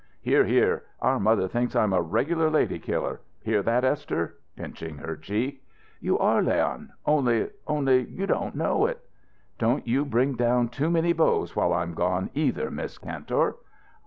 "Hear! Hear! Our mother thinks I'm a regular lady killer! Hear that, Esther?" pinching her cheek. "You are, Leon only only, you don't know it." "Don't you bring down too many beaus while I'm gone, either, Miss Kantor!"